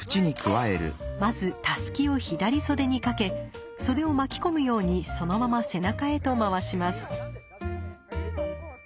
まずたすきを左袖にかけ袖を巻き込むようにそのまま背中へと回します。